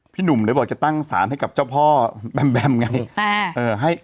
พี่หนุ่มจะตั้งสารกับเจ้าพ่อแบ๊มไง